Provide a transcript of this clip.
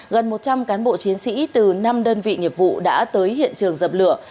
gần một trăm linh cán bộ chiến sĩ từ năm đơn vị nghiệp vụ đã tới hiện trường dập lửa